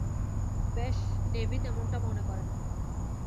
বেশ, নেভি তেমনটা মনে করে না।